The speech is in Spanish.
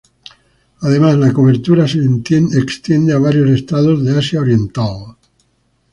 Además, la cobertura se extiende a varios estados de Asia oriental.